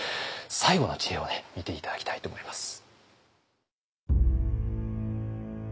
最後の知恵を見て頂きたいと思います。